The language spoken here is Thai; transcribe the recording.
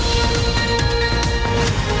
สวัสดีครับทุกคน